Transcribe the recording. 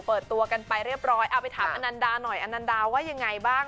เติมซิงสุเกิดออกไปเรียบร้อยไปถามอันนันดาหน่อยอันนันดาว่ายังไงบ้าง